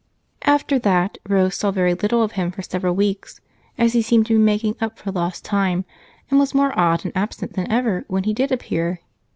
After that, Rose saw very little of him for several weeks, as he seemed to be making up for lost time and was more odd and absent than ever when he did appear.